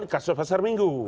kasus pasar minggu